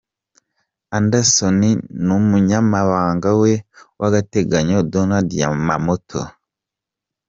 Anderson n’umunyamabanga we w’agateganyo Donald Yamamoto.